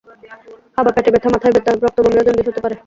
আবার পেটে ব্যথা, মাথায় ব্যথা, রক্ত বমি ও জন্ডিস হতে পারে।